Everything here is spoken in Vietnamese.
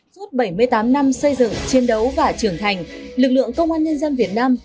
suốt bảy mươi tám năm xây dựng chiến đấu và trưởng thành lực lượng công an nhân dân việt nam